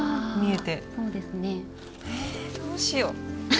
えどうしよう。